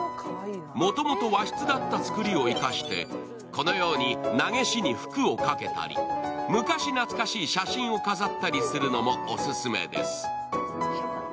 もともと和室だった造りを生かして、このようになげしに服をかけたり昔懐かしい写真を飾ったりするのもオススメです。